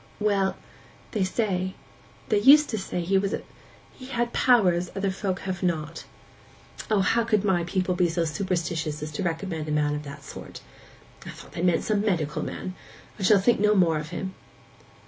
'Well—they say—they used to say he was a—he had powers other folks have not.' 'O, how could my people be so superstitious as to recommend a man of that sort! I thought they meant some medical man. I shall think no more of him.